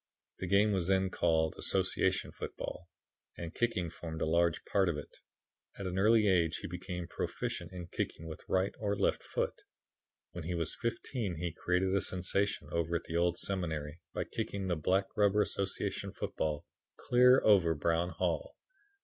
The game was then called Association Football, and kicking formed a large part of it. At an early age, he became proficient in kicking with right or left foot. When he was fifteen he created a sensation over at the Old Seminary by kicking the black rubber Association football clear over Brown Hall.